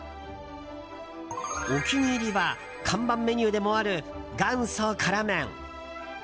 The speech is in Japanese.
お気に入りは看板メニューでもある元祖辛麺。